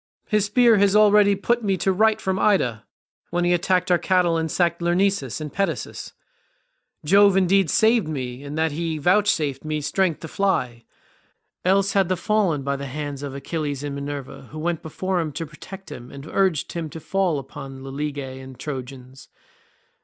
His spear has already put me to flight from Ida, when he attacked our cattle and sacked Lyrnessus and Pedasus; Jove indeed saved me in that he vouchsafed me strength to fly, else had I fallen by the hands of Achilles and Minerva, who went before him to protect him and urged him to fall upon the Lelegae and Trojans.